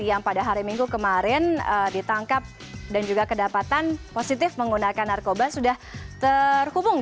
yang pada hari minggu kemarin ditangkap dan juga kedapatan positif menggunakan narkoba sudah terhubung